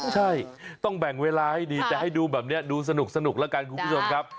ใช่ต้องแบ่งเวลาให้ดีแต่ให้ดูแบบนี้ดูสนุกแล้วกันคุณผู้ชมครับ